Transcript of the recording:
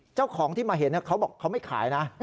เจ้าของที่มาเห็นเขาบอกเขาไม่ขายนะ